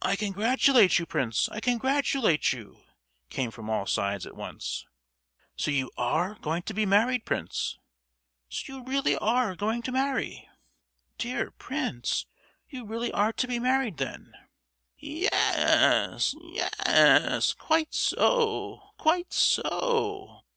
"I congratulate you, Prince! I congratulate you!" came from all sides at once. "So you are going to be married, Prince?" "So you really are going to marry?" "Dear Prince! You really are to be married, then?" "Ye—yes, ye—yes; quite so, quite so!"